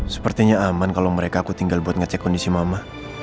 sepertinya aman kalau mereka aku tinggal buat ngecek kondisi mama